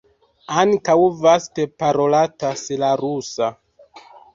Ankaŭ vaste parolatas la rusa.